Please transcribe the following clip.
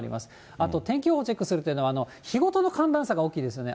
あと、天気予報チェックするというのは、日ごとの寒暖差が大きいですよね。